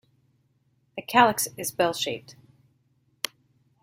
The calyx is bell-shaped.